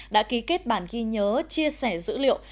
đã ký kết bản ghi nhớ chia sẻ dữ liệu